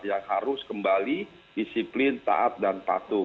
yang harus kembali disiplin taat dan patuh